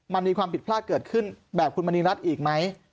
มันมีความผิดพลาดเกิดขึ้นแบบคุณมณีรัฐอีกไหม